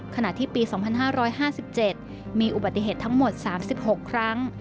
ขณะที่ปี๒๕๕๗มีอุบัติเหตุทั้งหมด๓๖ครั้ง